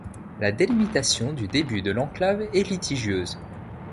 La délimitation du début de l'enclave est litigieuse.